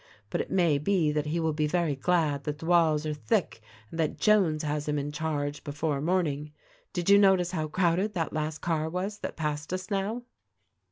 But it may be that he will be very glad that the walls are thick and that Jones has him in charge, before morning. Did you notice how crowded that last car was that passed us now